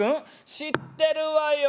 知ってるわよ。